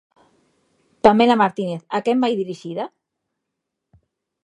Pamela Martínez, a quen vai dirixida?